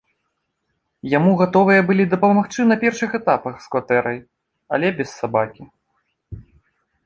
Яму гатовыя былі дапамагчы на першых этапах з кватэрай, але без сабакі.